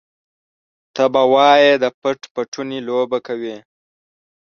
ته به وايې د پټ پټوني لوبه کوي.